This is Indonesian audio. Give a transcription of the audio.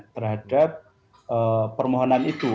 terhadap permohonan itu